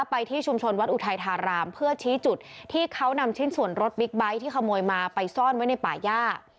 ไปที่ชุมชนวัดอุทัยธารามเพื่อชี้จุดที่เขานำชิ้นส่วนรถบิ๊กไบท์ที่ขโมยมาไปซ่อนไว้ในป่าย่า